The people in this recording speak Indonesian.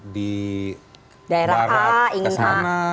di daerah a ini ke sana